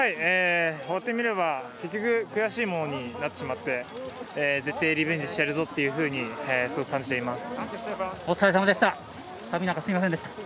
終わってみれば結局悔しいものになってしまって絶対、リベンジしてやるぞとすごく感じています。